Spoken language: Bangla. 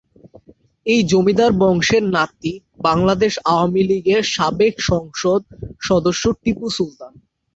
এই জমিদার বংশের নাতি বাংলাদেশ আওয়ামীলীগের সাবেক সংসদ সদস্য টিপু সুলতান।